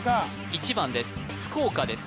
１番です福岡です